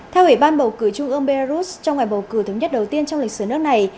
theo ủy ban bầu cử trung ương belarus trong ngày bầu cử thống nhất đầu tiên trong lịch sử nước này